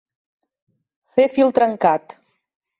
Fer fil trencat.